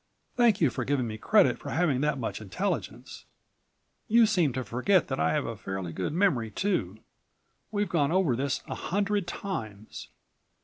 "Thank you for giving me credit for having that much intelligence. You seem to forget that I have a fairly good memory too. We've gone over this a hundred times."